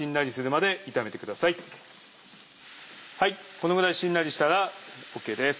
このぐらいしんなりしたらＯＫです。